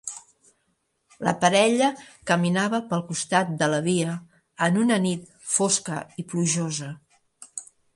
La parella caminava pel costat de la via en una nit fosca i plujosa.